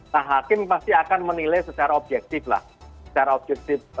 nah hakim pasti akan menilai secara objektif lah secara objektif